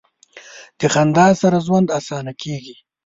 د خندا سره ژوند اسانه کیږي.